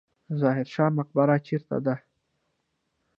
ظاهر شاه مقبره چیرته ده؟